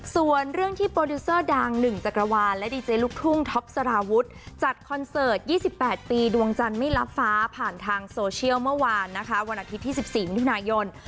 ส่วนเรื่องที่โปรดิวเซอร์ดังหนึ่งจักรวาลและดีเจลูกทุ่งท็อปสารวุฒิจัดคอนเสิร์ต๒๘ปีดวงจันทร์ไม่รับฟ้าผ่านทางโซเชียลเมื่อวานนะคะวันอาทิตย์ที่๑๔มิถุนายน